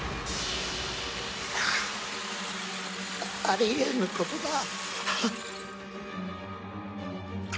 あり得ぬことだ。